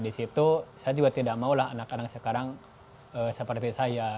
di situ saya juga tidak maulah anak anak sekarang seperti saya